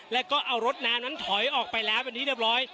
แล้วก็เอารถน้ำนั้นถอยออกไปแล้วเป็นที่เรียบร้อย